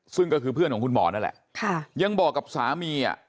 ซึ่งก็คือเพื่อนของคุณหมอนั่นแหละยังบอกกับสามีอ่ะ